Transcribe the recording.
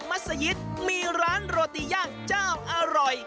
มัศยิตมีร้านโรตีย่างเจ้าอร่อย